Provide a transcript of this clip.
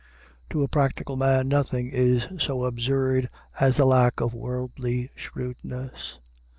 To a practical man nothing is so absurd as the lack of worldly shrewdness.